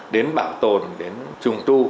đến bảo tồn đến trùng tu